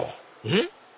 えっ？